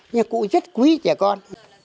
nhưng cụ rất quý trẻ con